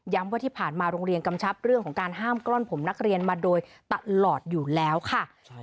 ว่าที่ผ่านมาโรงเรียนกำชับเรื่องของการห้ามกล้อนผมนักเรียนมาโดยตลอดอยู่แล้วค่ะ